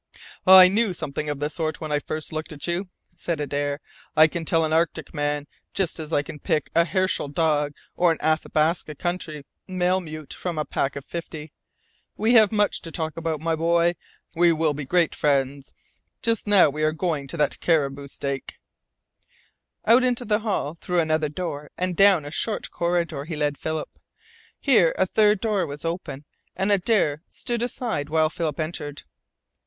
"I knew something of the sort when I first looked at you," said Adare. "I can tell an Arctic man, just as I can pick a Herschel dog or an Athabasca country malemute from a pack of fifty. We have much to talk about, my boy. We will be great friends. Just now we are going to that caribou steak." Out into the hall, through another door, and down a short corridor, he led Philip. Here a third door was open, and Adare stood aside while Philip entered.